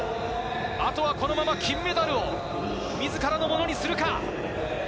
あとはこのまま金メダルを自らのものにするか。